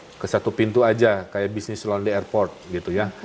nanti datang ke satu pintu aja kayak bisnis londi airport gitu ya